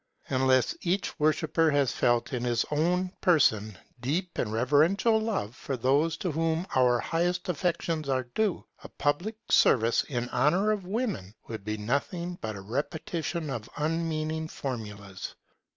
Unless each worshipper has felt in his own person deep and reverential love for those to whom our highest affections are due, a public service in honour of women would be nothing but a repetition of unmeaning formulas.